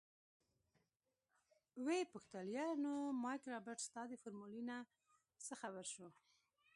ويې پوښتل يره نو مايک رابرټ ستا د فارمولې نه څه خبر شو.